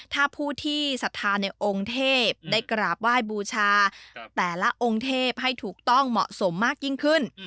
ถ้าผู้ที่ศรัทธาในองค์เทพได้กราบไหว้บูชาแต่ละองค์เทพให้ถูกต้องเหมาะสมมากยิ่งขึ้น